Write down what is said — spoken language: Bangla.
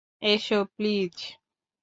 এসো, প্লীজ।